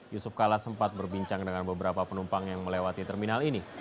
yusuf kala sempat berbincang dengan beberapa penumpang yang melewati terminal ini